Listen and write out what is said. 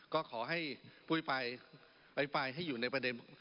ผมขอให้พุยปลายอภิปายให้อยู่ในประเด็น